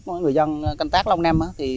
và người dân canh tác long năm